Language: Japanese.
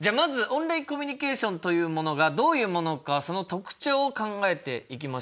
オンラインコミュニケーションというものがどういうものかその特徴を考えていきましょう。